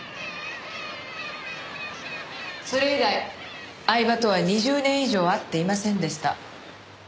それ以来饗庭とは２０年以上会っていませんでした。